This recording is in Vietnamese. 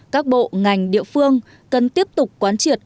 các bộ ngành địa phương cần tiếp tục quán triệt